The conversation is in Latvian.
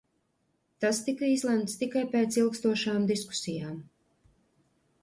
Tas tika izlemts tikai pēc ilgstošām diskusijām.